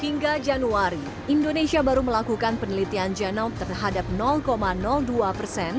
hingga januari indonesia baru melakukan penelitian genom terhadap dua persen